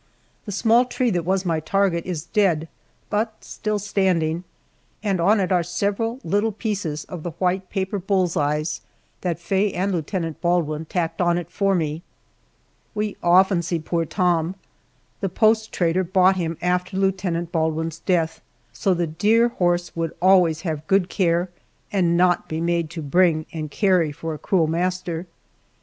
The small tree that was my target is dead but still standing, and on it are several little pieces of the white paper bull's eyes that Faye and Lieutenant Baldwin tacked on it for me. We often see poor Tom. The post trader bought him after Lieutenant Baldwin's death, so the dear horse would always have good care and not be made to bring and carry for a cruel master.